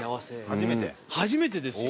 初めてです。